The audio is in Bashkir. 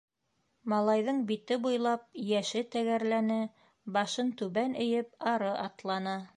Малайҙың бите буйлап йәше тәгәрләне, башын түбән эйеп, ары атланы.